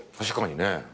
確かにね。